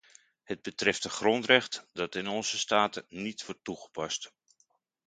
Het betreft een grondrecht dat in onze staten niet wordt toegepast.